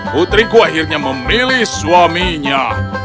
putriku akhirnya memilih suaminya